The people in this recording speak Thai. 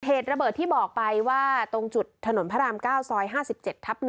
เหตุระเบิดที่บอกไปว่าตรงจุดถนนพระราม๙ซอย๕๗ทับ๑